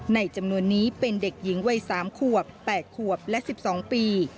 จำนวนนี้เป็นเด็กหญิงวัย๓ขวบ๘ขวบและ๑๒ปี